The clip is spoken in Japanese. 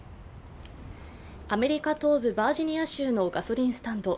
アメリカ東部バージニア州のガソリンスタンド。